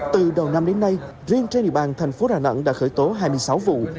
từ đầu năm đến nay riêng trên địa bàn thành phố đà nẵng đã khởi tố hai mươi sáu vụ